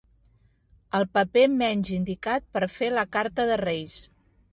El paper menys indicat per fer la carta de Reis.